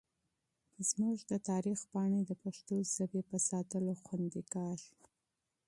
زموږ د تاریخ پاڼې د پښتو ژبې په ساتلو خوندي کېږي.